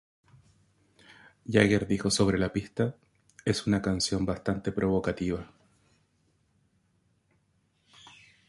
Jagger dijo sobre la pista "Es una canción bastante provocativa.